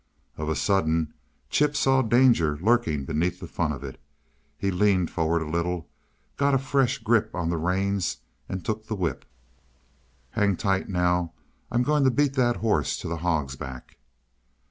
Of a sudden, Chip saw danger lurking beneath the fun of it. He leaned forward a little, got a fresh grip on the reins and took the whip. "Hang tight, now I'm going to beat that horse to the Hog's Back."